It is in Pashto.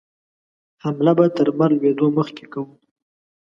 حمله به تر لمر لوېدو مخکې کوو.